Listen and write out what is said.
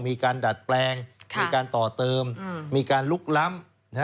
มีการดัดแปลงมีการต่อเติมมีการลุกล้ำ